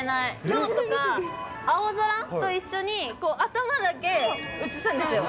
きょうとか青空と一緒に、頭だけ写すんですよ。